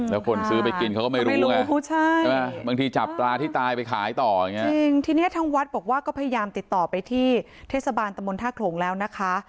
แล้วคนซื้อไปกินเขาก็ไม่รู้ไงใช่ไหมบางทีจับปลาที่ตายไปขายต่ออย่างนี้จริงทีนี้ทางวัดบอกว่าก็พยายามติดต่อไปที่เทศบาลตะมนต์ท่าโขลงแล้วนะคะ